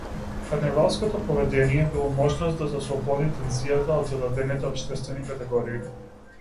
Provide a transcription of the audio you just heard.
Карневалското поведение било можност да се ослободи тензијата од зададените општествени категории.